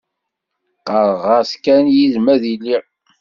Qqareɣ-as kan yid-m ad iliɣ.